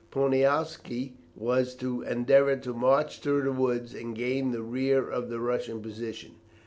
Poniatowski was to endeavour to march through the woods and gain the rear of the Russian position.